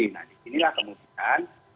nah disinilah kemudian